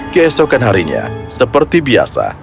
kesokan harinya seperti biasa